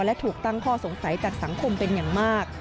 และถูกตั้งข้อสงสัยจากสังคมเป็นอย่างมาก